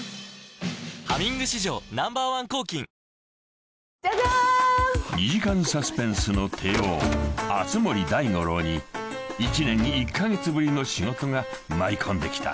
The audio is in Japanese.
「ハミング」史上Ｎｏ．１抗菌［２時間サスペンスの帝王熱護大五郎に１年１カ月ぶりの仕事が舞い込んできた］